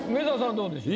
どうでしょう？